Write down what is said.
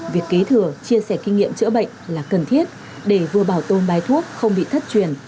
việc kế thừa chia sẻ kinh nghiệm chữa bệnh là cần thiết để vừa bảo tồn bài thuốc không bị thất truyền